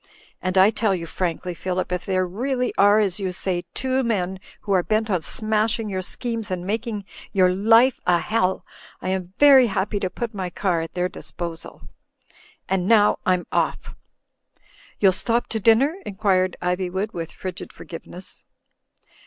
"And I tell you frankly, Phillip, if there really are, as you say, two men who are bent on smashing your schemes and mak ing your life a hell — I am very happy to put my car at their disposal. And now I'm oflf." "YouTl stop to dixmer?" inquired Ivjnvood, with frigid forgiveness.